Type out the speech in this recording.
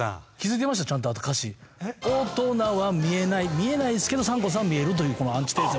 見えないんですけどサンコンさんは見えるというこのアンチテーゼ。